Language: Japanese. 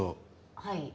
はい。